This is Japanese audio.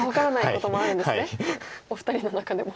お二人の仲でも。